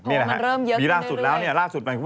มันเริ่มเยอะขึ้นด้วยเลยมีล่าสุดแล้วเนี่ย